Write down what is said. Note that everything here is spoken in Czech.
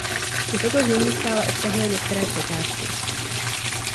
I toto znění stále obsahuje některé překážky.